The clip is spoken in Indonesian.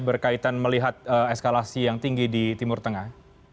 berkaitan melihat eskalasi yang tinggi di timur tengah